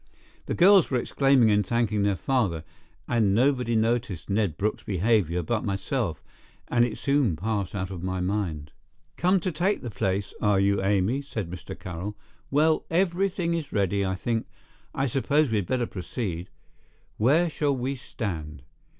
The girls were exclaiming and thanking their father, and nobody noticed Ned Brooke's behaviour but myself, and it soon passed out of my mind. "Come to take the place, are you, Amy?" said Mr. Carroll. "Well, everything is ready, I think. I suppose we'd better proceed. Where shall we stand?